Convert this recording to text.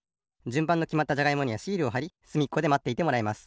じゅんばんがきまったじゃがいもにはシールをはりすみっこでまっていてもらいます。